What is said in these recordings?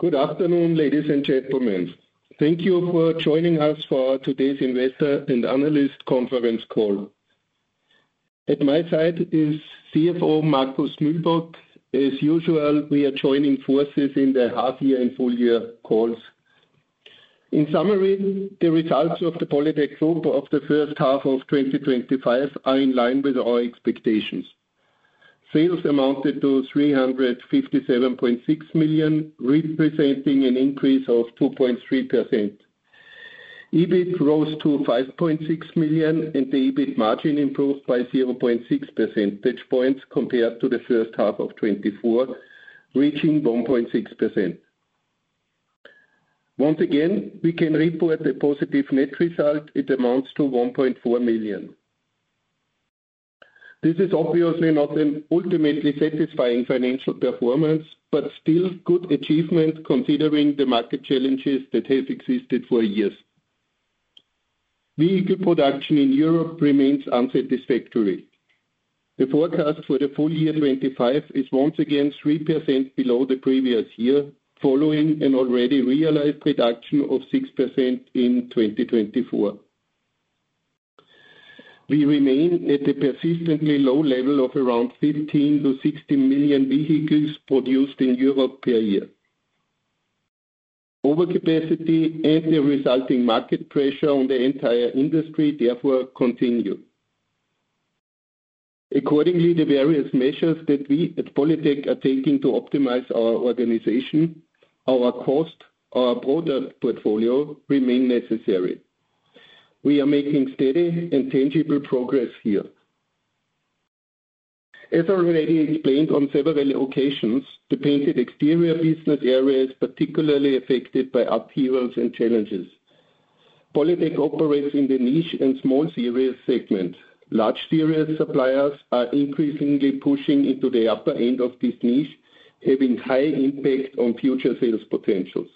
Good afternoon, ladies and gentlemen. Thank you for joining us for today's investor and analyst conference call. At my side is CFO Markus Mühlböck. As usual, we are joining forces in the half-year and full-year calls. In summary, the results of Polytec Group for the first half of 2025 are in line with our expectations. Sales amounted to 357.6 million, representing an increase of 2.3%. EBIT rose to 5.6 million, and the EBIT margin improved by 0.6 percentage points compared to the first half of 2024, reaching 1.6%. Once again, we can report a positive net result. It amounts to 1.4 million. This is obviously not an ultimately satisfying financial performance, but still a good achievement considering the market challenges that have existed for years. Vehicle production in Europe remains unsatisfactory. The forecast for the full year 2025 is once again 3% below the previous year, following an already realized reduction of 6% in 2024. We remain at a persistently low level of around 15 million-16 million vehicles produced in Europe per year. Overcapacity and the resulting market pressure on the entire industry therefore continue. Accordingly, the various measures that we at Polytec are taking to optimize our organization, our cost, and our product portfolio remain necessary. We are making steady and tangible progress here. As already explained on several occasions, the painted exterior business area is particularly affected by upheavals and challenges. Polytec operates in the niche and small serial segment. Large serial suppliers are increasingly pushing into the upper end of this niche, having high impact on future sales potentials.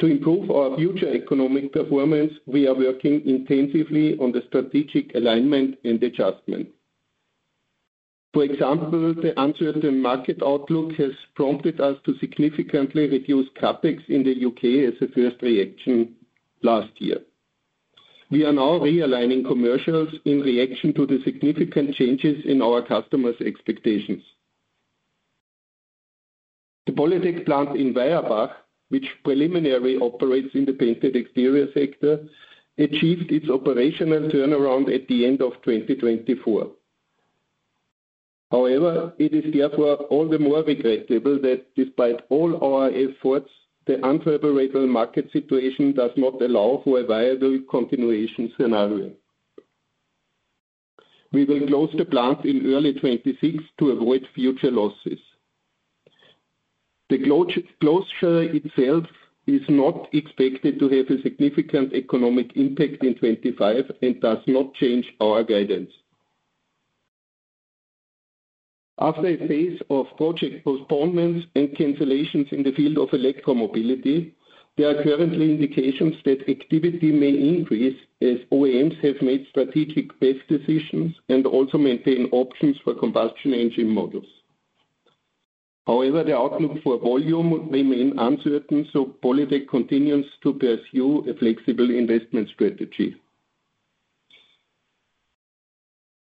To improve our future economic performance, we are working intensively on the strategic alignment and adjustment. For example, the uncertain market outlook has prompted us to significantly reduce CapEx in the UK as a first reaction last year. We are now realigning commercials in reaction to the significant changes in our customers' expectations. The Polytec plant in Weiherbach, which primarily operates in the painted exterior sector, achieved its operational turnaround at the end of 2024. However, it is therefore all the more regrettable that despite all our efforts, the unfavorable market situation does not allow for a viable continuation scenario. We will close the plant in early 2026 to avoid future losses. The closure itself is not expected to have a significant economic impact in 2025 and does not change our guidance. After a phase of project postponements and cancellations in the field of electromobility, there are currently indications that activity may increase as OEMs have made strategic best decisions and also maintain options for combustion engine models. However, the outlook for volume remains uncertain, so Polytec continues to pursue a flexible investment strategy.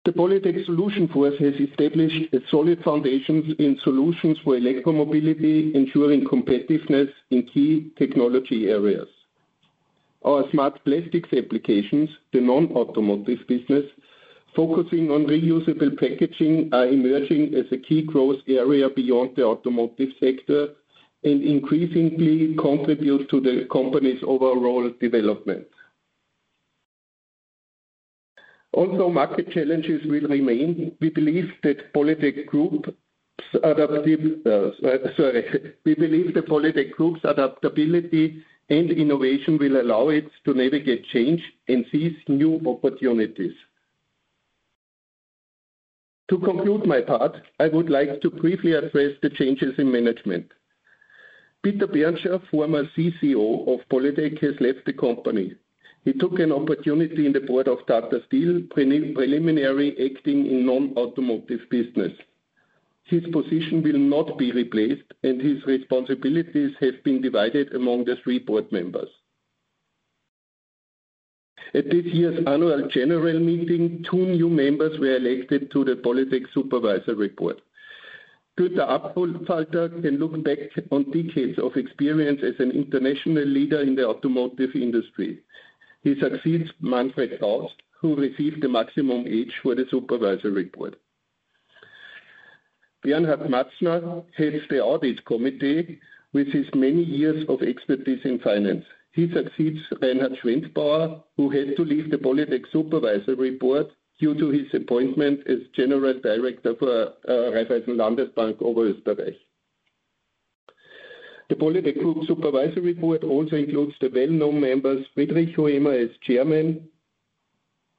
The Polytec solution force has established solid foundations in solutions for electromobility, ensuring competitiveness in key technology areas. Our smart plastics applications, the non-automotive business, focusing on reusable packaging, are emerging as a key growth area beyond the automotive sector and increasingly contribute to the company's overall development. Although market challenges will remain, we believe that Polytec Group's adaptability and innovation will allow it to navigate change and seize new opportunities. To conclude my part, I would like to briefly address the changes in management. Peter Bernscher, former CCO of Polytec, has left the company. He took an opportunity in the board of Tata Steel, preliminarily acting in the non-automotive business. His position will not be replaced, and his responsibilities have been divided among the three board members. At this year's annual general meeting, two new members were elected to the Polytec supervisory board. Günter Apfelfalter can look back on decades of experience as an international leader in the automotive industry. He succeeds Manfred Krauss, who received the maximum age for the supervisory board. Bernhard Matzner heads the audit committee with his many years of expertise in finance. He succeeds Reinhard Schwendtbauer, who had to leave the Polytec supervisory board due to his appointment as General Director for Raiffeisen Landesbank Oberösterreich. The Polytec Group supervisory board also includes the well-known members Friedrich Huemer as Chairman,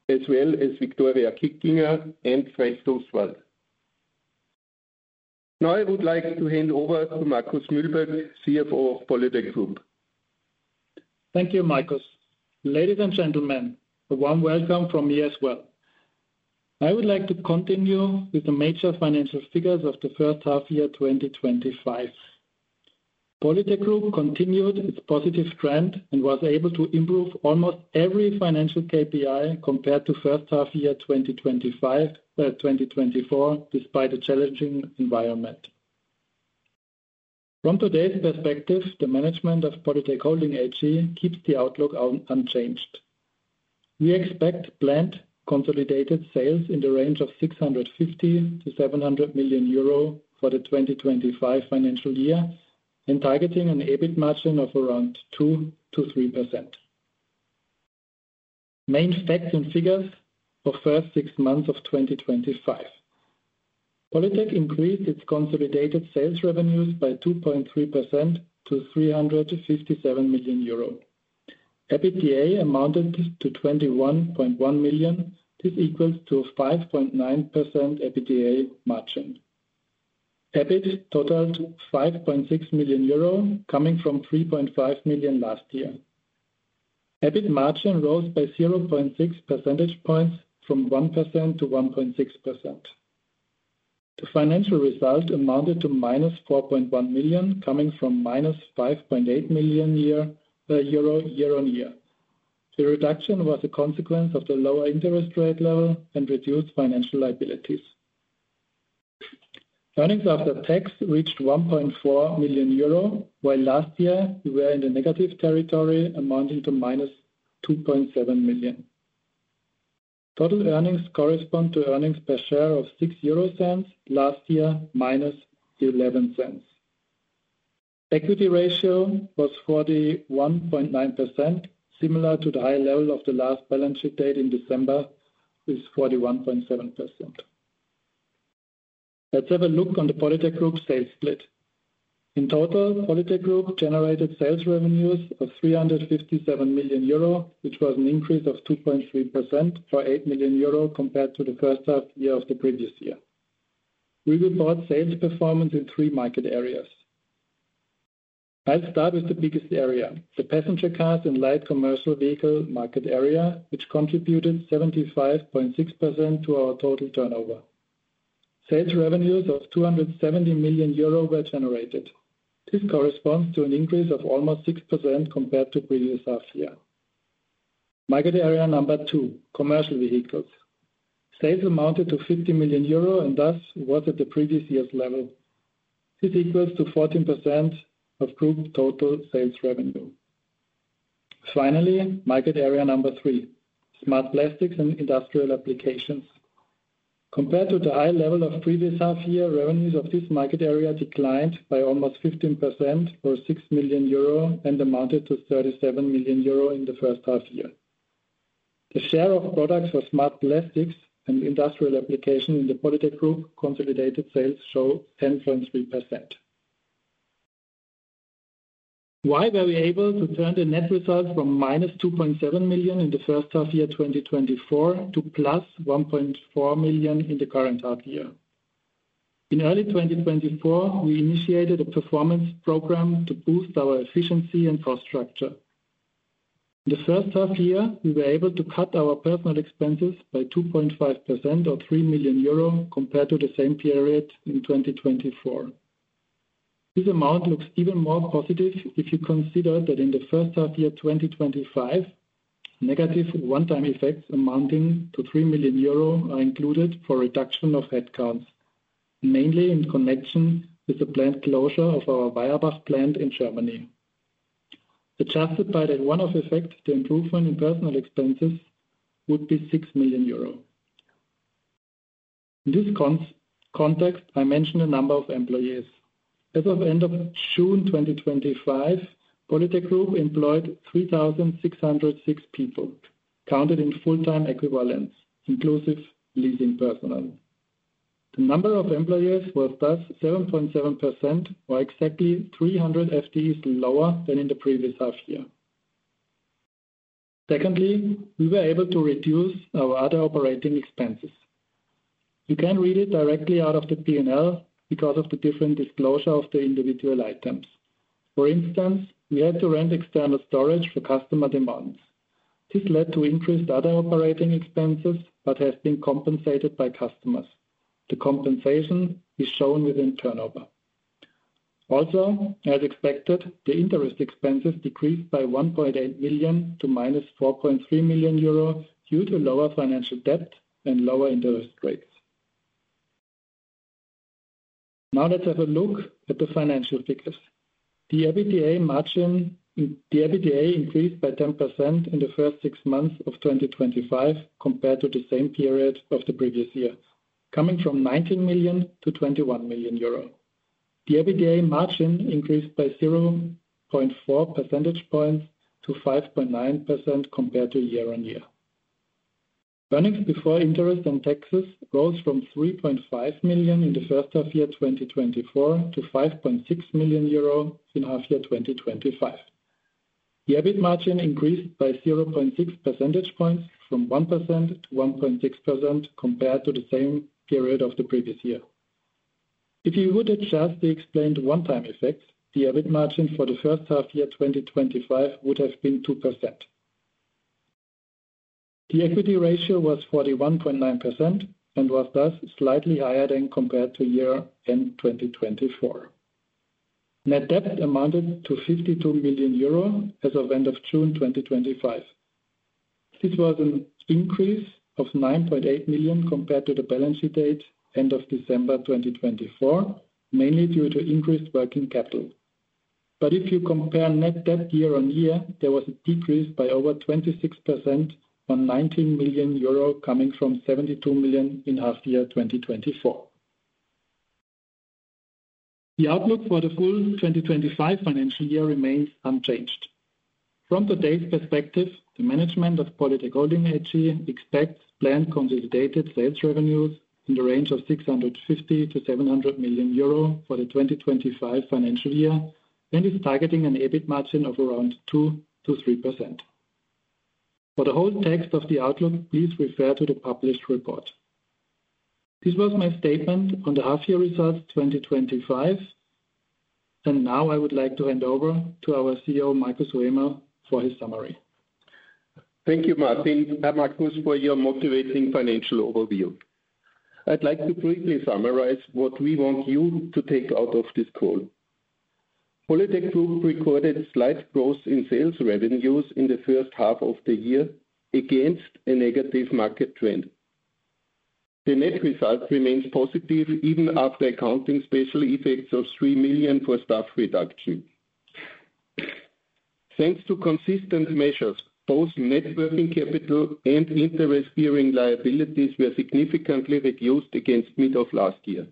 as well as Viktoria Kickinger and Fred Duswald. Now I would like to hand over to Markus Mühlböck, CFO of Polytec Group. Thank you, Markus. Ladies and gentlemen, a warm welcome from me as well. I would like to continue with the major financial figures of the first half-year 2025. Polytec Group continued its positive trend and was able to improve almost every financial KPI compared to the first half-year 2024, despite a challenging environment. From today's perspective, the management of Polytec Holding AG keeps the outlook unchanged. We expect planned consolidated sales in the range of 650 million-700 million euro for the 2025 financial year and targeting an EBIT margin of around 2%-3%. Main stats and figures of the first six months of 2025. Polytec increased its consolidated sales revenues by 2.3% to 357 million euro. EBITDA amounted to 21.1 million, this equals a 5.9% EBITDA margin. EBIT totaled 5.6 million euro, coming from 3.5 million last year. EBIT margin rose by 0.6 percentage points from 1% to 1.6%. The financial result amounted to -4.1 million, coming from -5.8 million year-on-year. The reduction was a consequence of the lower interest rate level and reduced financial liabilities. Earnings after tax reached 1.4 million euro, while last year we were in the negative territory, amounting to -2.7 million. Total earnings correspond to earnings per share of 0.06, last year -0.11. Equity ratio was 41.9%, similar to the high level of the last balance sheet date in December, which is 41.7%. Let's have a look at the Polytec Group sales split. In total, Polytec Group generated sales revenues of 357 million euro, which was an increase of 2.3% or 8 million euro compared to the first half-year of the previous year. We report sales performance in three market areas. I'll start with the biggest area, the passenger cars and light commercial vehicle market area, which contributed 75.6% to our total turnover. Sales revenues of 270 million euro were generated. This corresponds to an increase of almost 6% compared to the previous half-year. Market area number two, commercial vehicles. Sales amounted to 50 million euro and thus was at the previous year's level. This equals 14% of group total sales revenue. Finally, market area number three, smart plastics and industrial applications. Compared to the high level of the previous half-year, revenues of this market area declined by almost 15% or 6 million euro and amounted to 37 million euro in the first half-year. The share of products for smart plastics and industrial applications in the Polytec Group consolidated sales shows 10.3%. Why were we able to turn the net results from -2.7 million in the first half-year 2024 to +1.4 million in the current half-year? In early 2024, we initiated a performance program to boost our efficiency and cost structure. In the first half-year, we were able to cut our personnel expenses by 2.5% or 3 million euro compared to the same period in 2024. This amount looks even more positive if you consider that in the first half-year 2025, negative one-time effects amounting to 3 million euro are included for reduction of headcount, mainly in connection with the planned closure of our Weiherbach plant in Germany. Adjusted by that one-off effect, the improvement in personnel expenses would be 6 million euro. In this context, I mentioned the number of employees. As of the end of June 2025, Polytec Group employed 3,606 people, counted in full-time equivalents, inclusive leasing personnel. The number of employees was thus 7.7%, or exactly 300 FTEs lower than in the previous half-year. Secondly, we were able to reduce our other operating expenses. You can read it directly out of the P&L because of the different disclosure of the individual items. For instance, we had to rent external storage for customer demands. This led to increased other operating expenses, but has been compensated by customers. The compensation is shown within turnover. Also, as expected, the interest expenses decreased by 1.8 million to -4.3 million euro due to lower financial debt and lower interest rates. Now let's have a look at the financial figures. The EBITDA increased by 10% in the first six months of 2025 compared to the same period of the previous year, coming from 19 million to 21 million euro. The EBITDA margin increased by 0.4 percentage points to 5.9% compared to year-on-year. Earnings before interest and taxes rose from 3.5 million in the first half-year 2024 to 5.6 million euro in half-year 2025. The EBIT margin increased by 0.6 percentage points from 1% to 1.6% compared to the same period of the previous year. If you would adjust the explained one-time effects, the EBIT margin for the first half-year 2025 would have been 2%. The equity ratio was 41.9% and was thus slightly higher than compared to year end 2024. Net debt amounted to 52 million euro as of the end of June 2025. This was an increase of 9.8 million compared to the balance sheet date end of December 2024, mainly due to increased working capital. If you compare net debt year-on-year, there was a decrease by over 26% to 19 million euro, coming from 72 million in half-year 2024. The outlook for the full 2025 financial year remains unchanged. From today's perspective, the management of Polytec Holding AG expects planned consolidated sales revenues in the range of 650-700 million euro for the 2025 financial year and is targeting an EBIT margin of around 2%-3%. For the whole text of the outlook, please refer to the published report. This was my statement on the half-year results 2025, and now I would like to hand over to our CEO, Markus Huemer, for his summary. Thank you, Martin, and Markus, for your motivating financial overview. I'd like to briefly summarize what we want you to take out of this call. Polytec Group recorded slight growth in sales revenues in the first half of the year against a negative market trend. The net result remains positive even after accounting special effects of 3 million for staff reduction. Thanks to consistent measures, both net working capital and interest-bearing liabilities were significantly reduced against the middle of last year.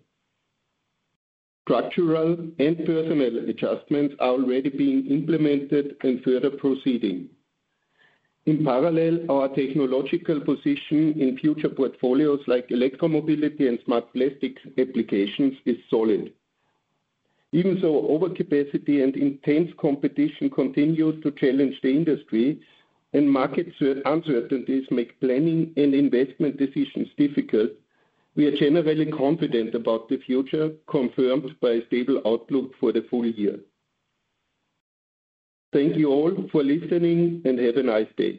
Structural and personnel adjustments are already being implemented and further proceeding. In parallel, our technological position in future portfolios like electromobility and smart plastics applications is solid. Even though overcapacity and intense competition continue to challenge the industry and market uncertainties make planning and investment decisions difficult, we are generally confident about the future, confirmed by a stable outlook for the full year. Thank you all for listening and have a nice day.